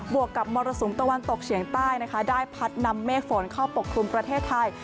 วกกับมรสุมตะวันตกเฉียงใต้นะคะได้พัดนำเมฆฝนเข้าปกครุมประเทศไทย